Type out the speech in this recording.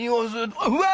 うわ！